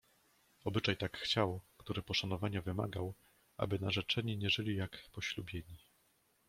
"Obyczaj tak chciał, który poszanowania wymagał, aby narzeczeni nie żyli jak poślubieni."